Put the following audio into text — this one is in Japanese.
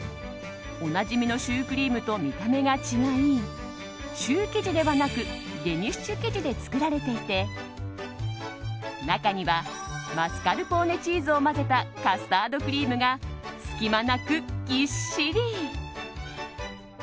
おなじみのシュークリームと見た目が違いシュー生地ではなくデニッシュ生地で作られていて中にはマスカルポーネチーズを混ぜたカスタードクリームが隙間なく、ぎっしり。